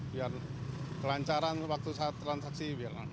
biar kelancaran waktu transaksi